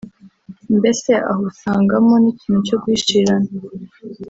mbese aho usangamo n’ikintu cyo guhishirana